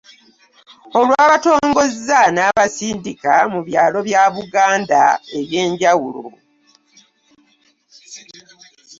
Olwabatongozza n'abasindika mu byalo bya Buganda ebyenjawulo.